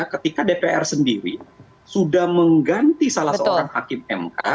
ketika dpr sendiri sudah mengganti salah seorang hakim mk